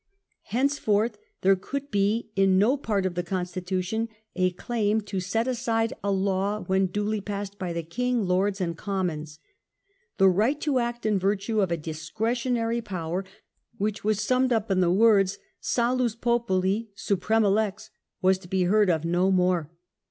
Henceforth there could be in no part of the constitution a claim to set aside a law when duly passed by King, Lords, and Commons.. The right to act in virtue of a " discretionary " power, which was summed up in the words Salus populi suprema lex, was to be heard of no more.